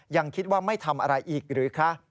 ยังคิดว่าไม่ทำอะไรอีกหรือคะ